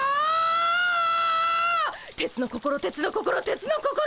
鉄の心鉄の心鉄の心！